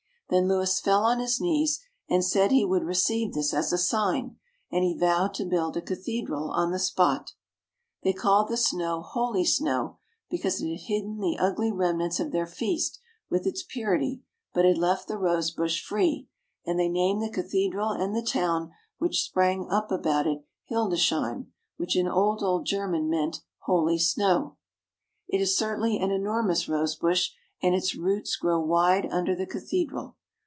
"Then Louis fell on his knees, and said he would receive this as a sign, and he vowed to build a cathedral on the spot. "They called the snow 'holy snow,' because it had hidden the ugly remnants of their feast with its purity, but had left the rose bush free, and they named the cathedral and the town which sprang up about it Hildesheim, which in old, old German meant 'holy snow.'" It is certainly an enormous rose bush, and its roots grow wide under the cathedral.